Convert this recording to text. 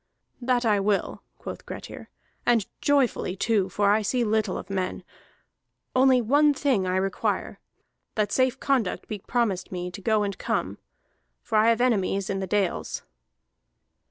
"That I will," quoth Grettir, "and joyfully too, for I see little of men. Only one thing I require, that safe conduct be promised me to go and come, for I have enemies in thy dales."